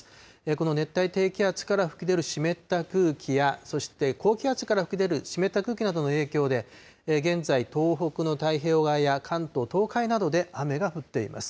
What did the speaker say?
この熱帯低気圧から吹き出る湿った空気や、そして高気圧から吹き出る湿った空気などの影響で、現在、東北の太平洋側や関東、東海などで雨が降っています。